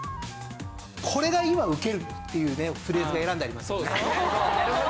これが今ウケるっていうねフレーズが選んでありますよね。